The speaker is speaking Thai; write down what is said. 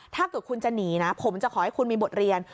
ถ้าเกิดคุณจะหนีนะผมจะขอให้คุณมีบทเรียน